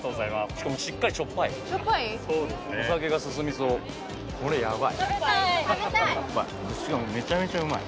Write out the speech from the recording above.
しかもしっかりしょっぱいお酒が進みそうこれヤバいしかもめちゃめちゃうまい